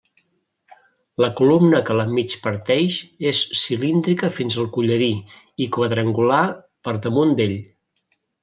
La columna que la migparteix és cilíndrica fins al collarí i quadrangular per damunt d'ell.